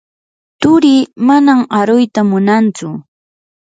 turii manan aruyta munantsu.